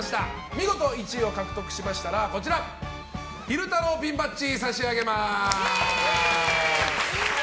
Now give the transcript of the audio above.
見事１位を獲得されましたら昼太郎ピンバッジを差し上げます。